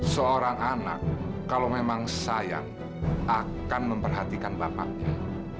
seorang anak kalau memang sayang akan memperhatikan bapaknya